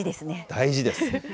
大事です。